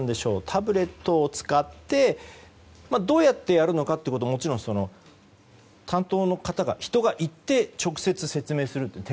タブレットを使ってどうやってやるのかということもちろん担当の方が、人が行って直接説明するという。